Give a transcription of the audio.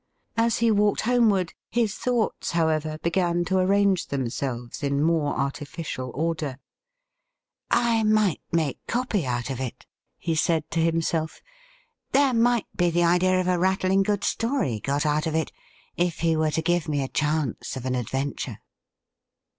As he walked homeward, his thoughts, however, began to arrange themselves in more artificial order. 'I might make copy out of it,' he said to himself. ' There might be the idea of a rattling good story got out of it, if he were to give me a chance of an adventure.'